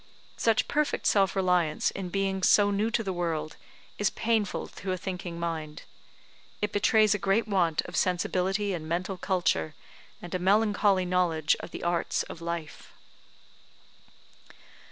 Such perfect self reliance in beings so new to the world is painful to a thinking mind. It betrays a great want of sensibility and mental culture, and a melancholy knowledge of the arts of life.